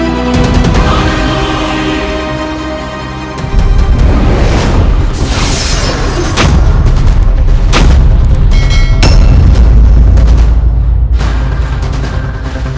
kepalaku sakit sekali